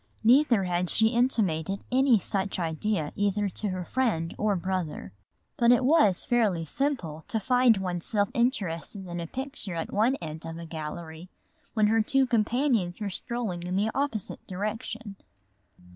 Neither had she intimated any such idea either to her friend or brother. But it was fairly simple to find one self interested in a picture at one end of a gallery when her two companions were strolling in the opposite direction.